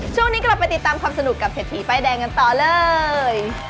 ช่วงนี้กลับไปติดตามความสนุกกับเศรษฐีป้ายแดงกันต่อเลย